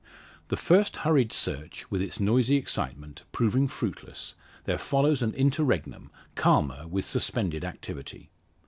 The first hurried search, with its noisy excitement, proving fruitless, there follows an interregnum calmer with suspended activity.